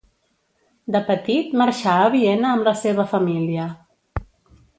De petit marxà a Viena amb la seva família.